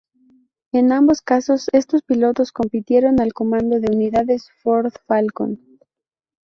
En ambos casos, estos pilotos compitieron al comando de unidades Ford Falcon.